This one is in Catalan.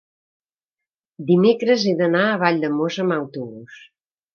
Dimecres he d'anar a Valldemossa amb autobús.